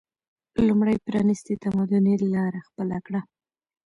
لومړی پرانیستي تمدني لاره خپله کړه